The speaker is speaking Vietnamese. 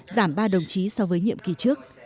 giảm ba đồng chí so với những đồng chí